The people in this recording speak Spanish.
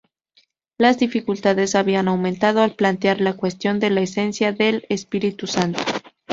Las dificultades habían aumentado al plantear la cuestión de la esencia del Espíritu Santo.